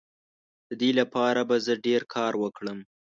د دې لپاره به زه ډیر کار وکړم.